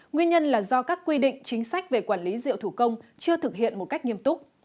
nguyên nhân là do các quy định chính sách về quản lý rượu thủ công chưa thực hiện một cách nghiêm túc